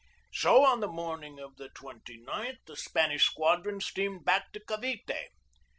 So on the morning of the 29th the Spanish squadron steamed back to Cavite.